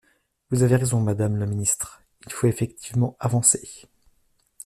Vous avez raison, madame la ministre : il faut effectivement avancer.